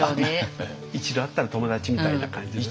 「一度会ったら友だち」みたいな感じの。